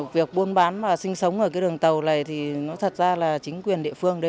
việc buôn bán và sinh sống ở cái đường tàu này thì nó thật ra là chính quyền địa phương đấy